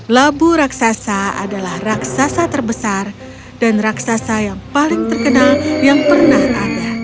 labu raksasa adalah raksasa terbesar dan raksasa yang paling terkenal yang pernah ada